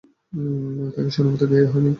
তাকে সে অনুমতি দেয়া হয় নি।